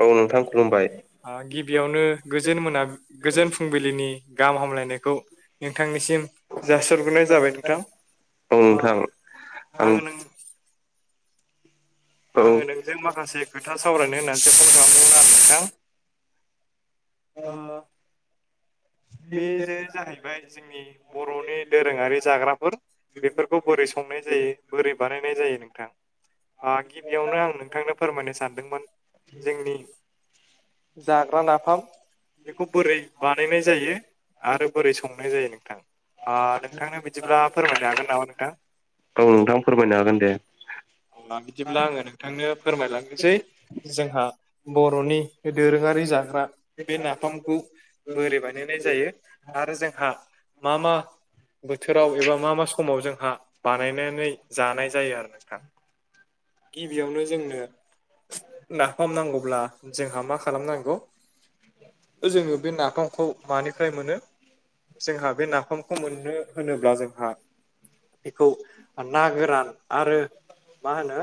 औ नोंथां खुलुमबाय गिबियावनो गोजोन मोना गोजोन फुं फुंबिलिनि गाहाम हामलायनायखौ नोंथांनिसिम जासरग्रोनाय जाबाय नोंथां औ नोंथां आं आंङो नों औ आंङो नोंजों माखासे खोथा सावरायनो होननानैसो फन खालामदोंमोन आरो नोंथां। [inaudible] बे जे जाहैबाय जोंनि बर'नि दोरोंङारि जाग्राफोर बेफोरखौ बोरै संङो संनाय जायो बोरै बानायनाय जायो नोंथां? गिबियावनो आं नोंथांनो फोरमायनो सानदोंमोन जोंनि जाग्रा नाफाम बेखौ बोरै बानायनाय जायो? आरो बोरै संनाय जायो नोंथां नोंथांनो बिदिब्ला फोरमायनो हागोन नामा नोंथां? औ नोंथां फोरमायनो हागोन दे। अब्ला बिदिब्ला आङो नोंथांनो फोरमायलांनोसै जोंहा बर'नि दोरोङारि जाग्रा बे नाफामखौ ओरैबायदि जायो आरो जोंहा मा मा बोथोराव एबा मा मा समाव जोंहा बानायनानै जानाय जायो आरो नोंथां गिबियावनो जोंनो नाफाम नांगौब्ला जोंहा मा खालामनांगौ जोङो बे नाफामखौ मानिफ्राय मोनो जोंहा बे नाफामखौ मोननो होनोब्ला जोंहा बेखौ ना गोरान आरो मा होनो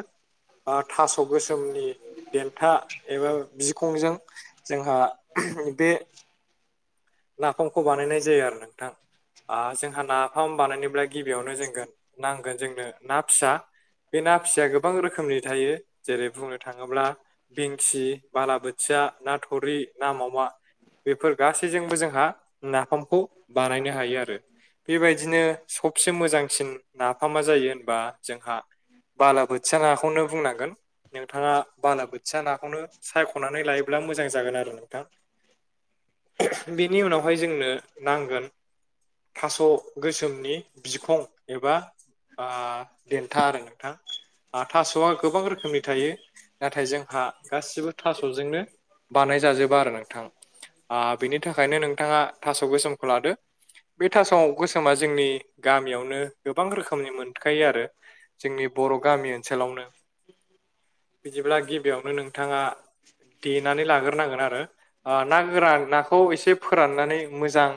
आं थास' गोसोमनि देन्था एबा बिखंजों जोंहा बे नाफामखौ बानायनाय जायो आरो नोंथां। आ जोंहा नाफाम बानायनोब्ला गिबियावनो जों नांगोन जोंनो ना फिसा बे ना फिसाया गोबां रोखोमनि थायो जेरै बुंनो थाङोब्ला बेंखि बालाबाथिया ना थुरि ना मावमा बेफोर गासैजों जोंहा नाफामखौ बानायनो हायो आरो। बेबायदिनो सबसे मोजांसिन नाफामा जायो होनबा जोंहा बालाबाथिया नाखौनो बुंनांगोन। नोंथाङा बालाबाथिया नाखौनो सायख'नानै लायोब्ला मोजां जागोन आरो नोंथां। बेनि उनावहाय जोंनो नांगोन थास' गोसोमनि बिखं एबा आं देन्था आरो नोंथां थास'आ गोबां रोखोमनि थायो नाथाय जोंहा गासिबो थास'जोंनो बानाय जाजोबा आरो नोंथां। आ बिनि थाखायनो नोंथाङा थास' बे समखौ लादो। बे थासाव गोसोमा जोंनि गामियावनो गोबां रोखोमनि मोनखायो आरो जोंनि बर' गामि ओनसोलावनो बिदिब्ला गिबियावनो नोंथाङा देनानै लाग्रोनांगोन आरो। ओ ना गोरान ना खौ एसे फोराननानै मोजां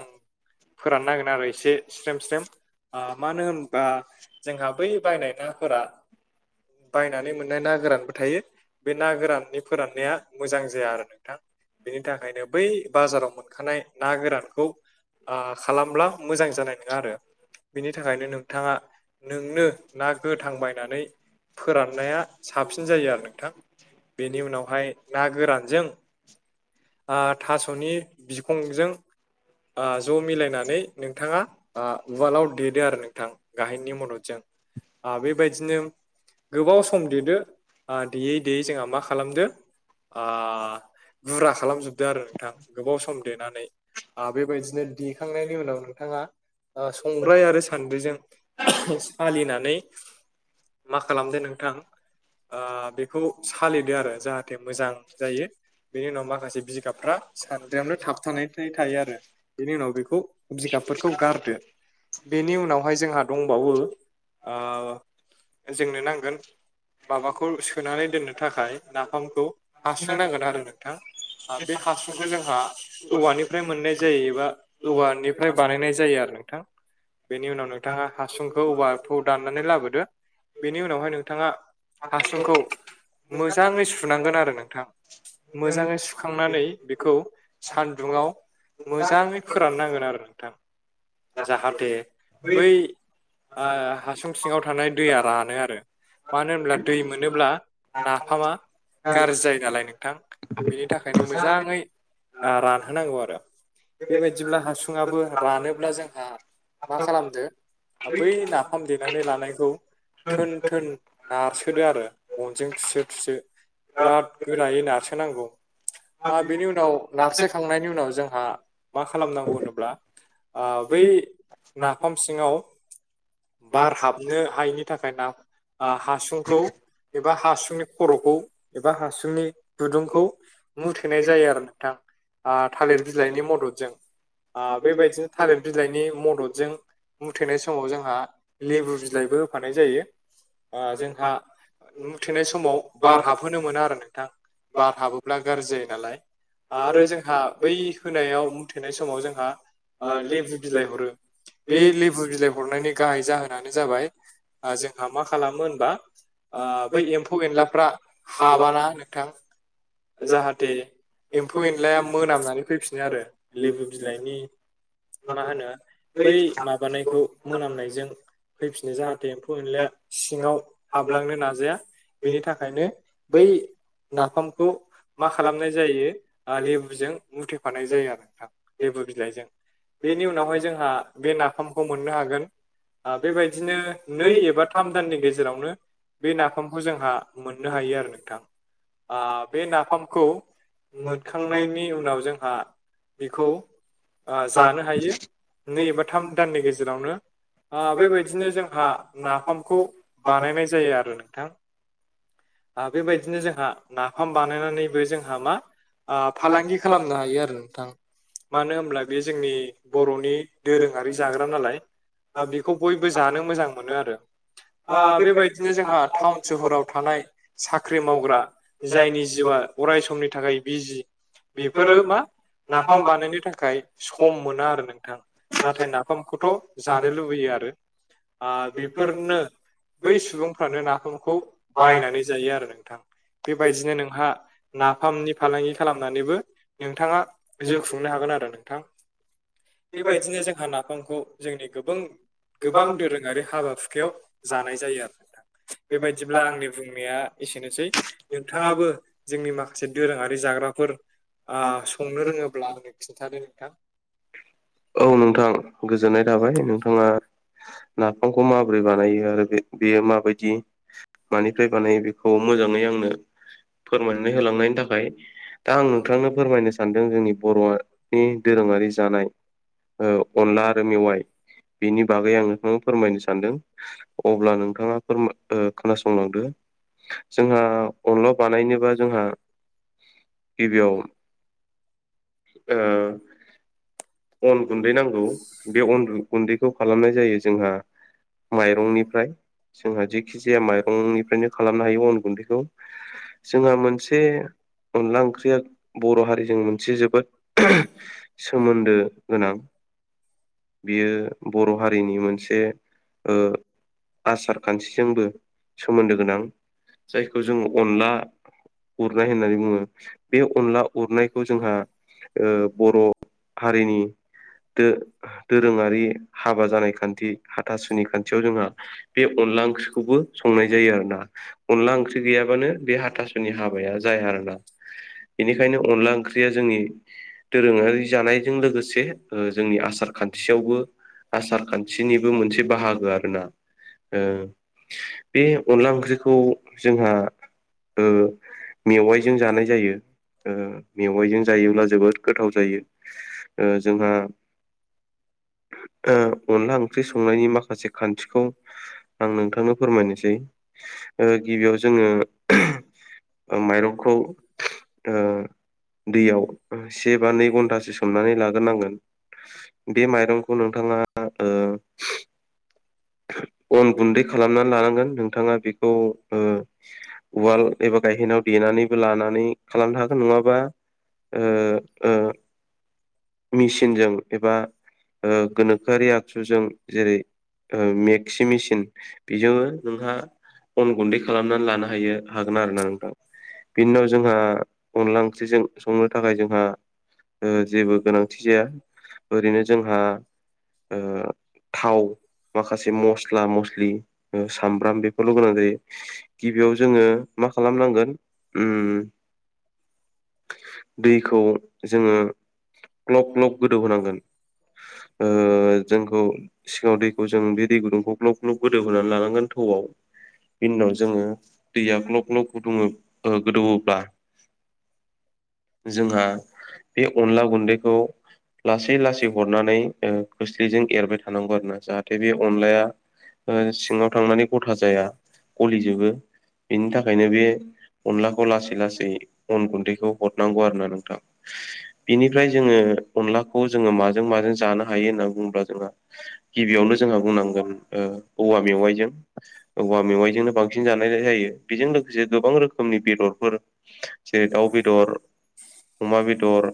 फोराननोन हांगोन आरो एसे स्रेम स्रेम। मानो होनबा जोंहा बै बायनाय नाफोरा बायनानै मोननाय ना गोरानबो थायो। बे ना गोराननि फोराननाया मोजां जाया आरो नोंथां बेनि थाखायनो बै बाजाराव मोनखानाय ना गोरानखौ खालामब्ला मोजां जानाय नङा आरो। बिनि थाखायनो नोंथाङा नोंनो ना गोथांबायनानै फोराननाया साबसिन जायो आरो नोंथां। बेनि उनावहाय ना गोरानजों आं था नि बिखंजों आ ज' मिलायनानै नोंथाङा आं उवालाव देदो आरो नोंथां गाहेननि मददजों। आ बेबायदिनो गोबाव सम देदो आरो देयै देयै जोंहा मा खालामदो आ बुरा खालामजोबदो आरो नोंथां। गोबाव सम देनानै बेबायदिनो देखांनायनि उनाव नोंथाङा ओ संग्राय सान्द्रिजों सालिनानै मा खालामदो नोंथां आ बेखौ सालिदो आरो जाहाथे मोजां जायो। बेनि उनाव माखासे बिगाबफ्रा सान्द्रियावनो थाबथानानै थायो आरो बेनि उनाव बेखौ जिगाबफोरखौ गारदो बेनि उनावहाय जोंहा दंबावो आ जोंनो नांगोन माबाखौ सोनानै दोननो थाखाय नाफामखौ हासुं नांगोन आरो नोंथा बे हासुं खौ जोंहा औवानिफ्राय मोननाय जायो एबा औवानिफ्राय बानायनाय जायो आरो नोंथां। बेनि उनाव नोंथाङा हासुंखौ औवाथौ दाननानै लाबोदो। बेनि उनावहाय नोंथाङा हासुंखौ मोजाङै सुनांगोन आरो नोंथां। मोजाङै सुखांनानै बे खौ सान्दुंङाव मोजाङै फोरान नांगोन आरो नोंथां। जाहाथे बै ओ हासुं सिङाव थानाय दैया रानो आरो। मानो होनब्ला दै मोनोब्ला नाफामा गाज्रि जायो नालाय नोंथां। बिनि थाखायनो मोजाङै रानहोनांगौ आरो बेबायदिब्ला हासुङाबो रानोब्ला जोंहा मा खालामदो बै नाफाम देनानै लानायखौ थोन थोन नारसोदो आरो गनजों थुसो थुसो। बिराद गोरायै नारसोनांगौ। आ बे उनाव नारसो खांनायनि उनाव जोंहा मा खालामनांगौ होनोब्ला ओ बै नाफाम सिङाव बार हाबनो हायिनि थाखाय ना आ हासुंखौ एबा हासुंनि खर'खौ एबा हासुंनि गुदुंखौ मुथेनाय जायो आरो नोंथां आ थालिर बिलाइनि मददजों। आ बेबायदिनो थालिर बिलाइनि मददजों। मुथेनाय समाव जोंहा लेबु बिलाइबो होफानाय जायो ओ जोंहा मुथेनाय समाव बार हाबहोनो मोना आरो नोंथां बार हाबोब्ला गाज्रि जायो नालाय। आरो जोंहा बै होनायाव मुथेनाय समाव जोंहा ओ लेबु बिलाइ हरो। बे लेबु बिलाइ हरनायनि गाहाय जाहोनानो जाबाय जोंहा मा खालामो होनबा ओ बै एम्फौ एनलाफ्रा हाबाना नोंथां जाहाथे एम्फौ एनलाया मोनामनानै फैफिनो आरो लेबु बिलाइनि मा होनो बै माबानायखौ मोनामनायजों फैफिनो जाहाथे एम्फौ एनलाया सिङाव हाबलांनो नाजाया। बेनि थाखायनो बै नाफामखौ मा खालामनाय जायो ओ लेबुजों मुथेफानाय जायो आरो नोंथां लेबु बिलाइजों। बेनि उनावहाय जोंहा बे नाफामखौ मोननो हागोन। बेबायदिनो नै एबा थाम दाननि गेजेरावनो बे नाफामखौ जोंहा मोननो हायो आरो नोंथां ओ बे नाफामखौ मोनखांनायनि उनाव जोंहा बिखौ ओ जानो हायो नै एबा थाम दाननि गेजेरावनो। ओ बेबायदिनो जोंहा नाफामखौ बानायनाय जायो आरो नोंथां। आ बेबायदिनो जोंहा नाफाम बानायनानैबो जोंहा मा आ फालांगि खालामनो हायो आरो नोंथां। मानो होमब्ला बे जोंनि बर'नि दोरोङारि जाग्रा नालाय। आ बेखौ बयबो जानो मोजां मोनो आरो। ओ बेबायदिनो जोंहा टाउन सोहोराव थानाय साख्रि मावग्रा जायनि जिउआ अराय समनि थाखाय बिजि बेफोरो मा नाफाम बानायनो थाखाय सम मोना आरो नोंथां। नाथाय नाफामखौथ' जानो लुबैयो आरो। ओ बेफोरनो बै सुबुंफ्रानो नाफोरखौ बायनानै जायो आरो नोंथां। बेबायदिनो नोंहा नाफामनि फालांगि खालामनानैबो नोंथाङा जिउ खुंनो हागोन आरो नोंथां। बेबायदिनो जोंहा नाफामखौ जोंनि गोबां गोबां दोरोङारि हाबा हुखायाव जानाय जायो आरो। बेबायदिब्ला आंनि बुंनाया एसेनोसै नोंथाङाबो जोंनि माखासे दोरोङारि जाग्राफोर संनो ओ रोङोब्ला होनो खिन्थादो नोंथां। औ नोंथां। गोजोननाय थाबाय नोंथाङा नाफामखौ माबोरै बानायो आरो बे बेयो माबायदि मानिफ्राय बानायो बे खौ मोजाङै आंनो फोरमायनानै होलांनायनि थाखाय दा आं नोंथांनो फोरमायनो सानदों जोंनि बर'नि दोरोङारि जानाय औ। अनला आरो मेवाइ बिनि बागै आं नोंथांनो फोरमायनो सानदों। अब्ला नोंथाङा फोर खोनासंलांदो। जोंहा अनला बानायनोबा जोंहा गिबियाव ओ अन गुन्दै नांगौ। बे गुन्दैखौ खालामनाय जायो जोंहा माइरंनिफ्राय जोंहा खि जाया माइरंनिफ्रायनो खालामनो हायो अन गुन्दैखौ। जोंहा मोनसे अनला ओंख्रिया बर' हारिजों मोनसे जोबोद सोमोन्दो गोनां। बियो बर' हारिनि मोनसे ओ आसार खान्थिजोंबो सोमोन्दो गोनां जायखौ जों अनला उरनाय होननानै बुङो बे अनला उरनायखौ जोंहा ओ बर' हारिनि दो दोरोङारि हाबा जानाय खान्थि हाथासुनि खान्थियाव जोंहा बे अनला ओंख्रिखौबो संनाय जायो आरो ना अनला ओंख्रि गैयाबानो बे हाथास जोंनि हाबाया जाया आरोना बेनिखायनो अनला ओंख्रिया जोंनि दोरोङारि जानायजों लोगोसे ओ जोंनि आसार खान्थियावबो आसार खान्थिनिबो मोनसे बाहागो आरो ना। ओ बे अनला ओंख्रिखौ जोंहा ओ मेवाइजों जानाय जायो। ओ मेवाइजों जायोब्ला जोबोद गोथाव जायो। ओ जोंहा [inaudible] ओ अनला ओंख्रि संनायनि माखासे खान्थिखौ आं नोंथांनो फोरमायनोसै ओ गिबियाव जोंङो ओ माइरंखौ ओ दैयाव से बा नै घन्टा सो सोमनानै लाग्रोनांगोन बे माइरंखौ नोंथाङा अन गुन्दै खालामनानै लानांगोन। नोंथाङा बेखौ उवाल एबा गायहेनाव देनानैबो लानानै खालामनो हागोन नङाबा ओ ओ मेसिनजों एबा गोनोखोआरि आगजुजों जेरै ओ मेक्सि मेसिन बेजोंबो नोंहा अन गुन्दै खालामनानै लानो हायो हागोन आरो ना बिनि उनाव जोंहा अनला ओंख्रिजों संनो थाखाय जोंहा ओ जेबो गोनांथि जाया ओरैनो जोंहा थाव माखासे मस्ला मस्लि ओ सामब्राम बेफोरल' गोनां जायो। गिबियाव जोंङो मा खालामनांगोन ओम दैखौ जोंङो ग्लब ग्लब गोदौ होनोनांगोन। जोंखौ सिगाङाव दै जों बे दै गुदुंखौ ग्लब ग्लब गोदौ होनानै लानांगोन थौआव। बिनि उनाव जोंङो दैया ग्लब ग्लब गुदुङो ओ गोदौवोबा [inaudible] जोंहा बे अनला गुन्दैखौ लासै लासै हरनानै ओ खोस्लिजों एरबाय थानांगौ आरो ना जाहाथे नै बे अनलाया सिङाव थांनानै गथा जाया गलिजोबो बिनि थाखायनो बे अनलाखौ लासै लासै अन गुन्दैखौ हरनांगौ आरो ना नोंथां बिनिफ्राय जोङो अनलाखौ जोङो माजों माजों जानो हायो होनना बुङोब्ला जोंहा गिबियावनो जोंहा बुंनांगोन ओ औवा मेवाइजों औवा मेवाइजोंनो बांसिन जानाय जायो बेजों लोगोसे गोबां रोखोमनि बेदरफोर जेरै- दाव बेदर अमा बेदर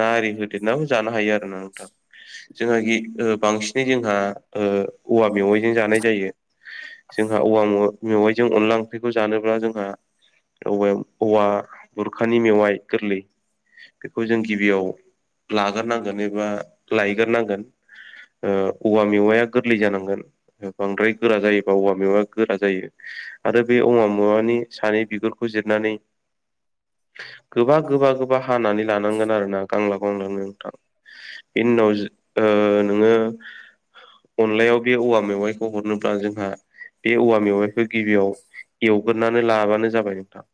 ना आरि होदेरनाबो जानो हायो आरो ना नोंथां जोंहा गि ओ बांसिनै जोंहा ओ औवा मेवाइजों जानाय जायो जोंहा औवा मेवा-मेवाइजों अनला ओंख्रिखौ जानोब्ला जोंहा औवाया औवा बुरखानि मेवाइ गोरलै बेखौ जों गिबियाव लाग्रोनांगोन एबा लायग्रोनांगोन। ओ औवा मेवाया गोरलै जानांगोन बांद्राय गोरा जायोबा औवा मेवाया गोरा जायो। आरो बे औवा मेवानि सानि बिगुरखौ जिरनानै गोबा गोबा गोब बा हानानै लानांगोन आरो ना गांलाब गांलाबनो नोंथां बेनि उनावज ओ नोङो अनलायाव बे औवा मेवाइखौ हरनोब्ला जोंहा बे औवा मेवाइखौ गिबियाव एवग्रोनानै लाबानो जाबाय नोंथां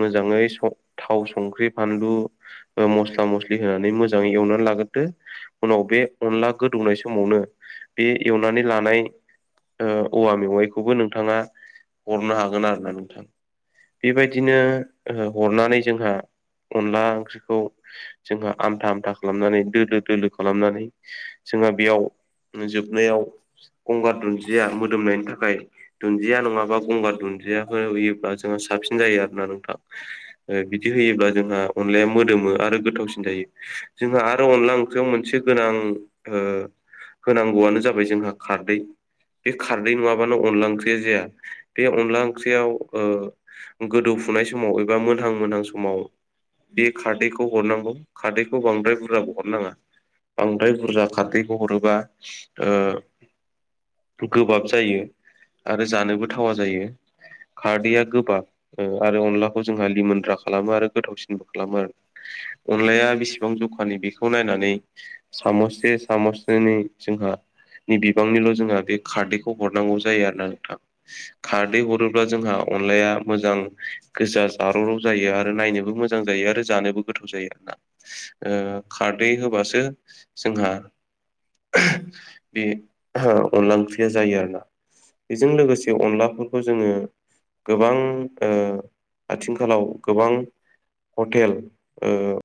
मोजाङै स थाव संख्रि फानलु ओ मस्ला मस्लि होनानै मोजाङै एवनानै लाग्रोदो उनाव बे अनला गोदौनाय समावनो बे एवनानै लानाय ओ औवा मेवाइखौबो नोंथाङा हरनो हागोन आरो ना नोंथां बेबायदिनो ओ हरनानै जोंहा अनला ओंख्रिखौ जोंहा आमथा आमथा खालामनानै दोलो दोलो खालामनानै जोंहा बेयाव जोबनायाव गंगार दुन्दिया मोदोमनायनि थाखाय दुन्दिया नङाबा गंगार दुन्दिया हो-होयोब्ला जोंहा साबसिन जायो आरो ना नोंथां ओ बिदि होयोब्ला जोंहा अनलाया मोदोमो आरो गोथावसिन जायो। जोंहा आरो अनला ओंख्रियाव मोनसे गोनां ओ होनांगौआनो जाबाय जोंहा खारदै बे खारदै नङाबानो अनला ओंख्रिया जाया। बे अनला ओंख्रियाव ओ गोदौफुनाय समाव एबा मोनहां मोनहां समाव बे खारदैखौ हरनांगौ खारदैखौ बांद्राय बुरजाबो हरनाङा। बांद्राय बुरजा खारदैखौ हरोबा ओ गोबाब जायो आरो जानोबो थावा जायो। खारदैया गोबाब ओ आरो अनलाखौ जोंहा लिमोनद्रा खालामो आरो गोथावसिनबो खालामो आरो। अनलाया बेसेबां जखानि बेखौ नायनानै सामससे सामससेनै ओणनि बिबांनिल' जोंहा बे खारदैखौ हरनांगौ जायो आरो ना नोंथां। खारदै हरोब्ला जोंहा अनलाया मोजां गोसा जारौ रौ जायो आरो नायनोबो मोज जां जायो आरो जानोबो गोथाव जायो आरोना ओ खारदै होबासो जोंहा बे ओ अनला ओंख्रिया जायो आरोना बेजों लोगोसे अनलाफोरखौ जोङो गोबां ओ आथिंखालाव गोबां हटेल ओ